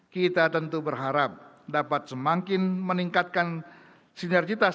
kita tentu berharap dapat semakin meningkatkan sinergitas di dalam kesehatan